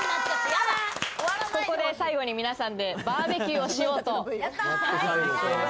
ここで最後に皆さんでバーベキューをしようと。